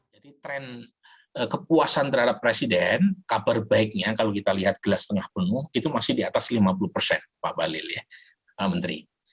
tren kepuasan terhadap presiden kabar baiknya kalau kita lihat gelas tengah penuh itu masih di atas lima puluh persen pak balil ya pak menteri